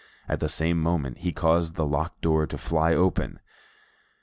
At the same moment he caused the locked door to fly open.